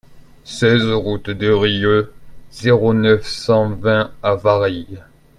seize route de Rieux, zéro neuf, cent vingt à Varilhes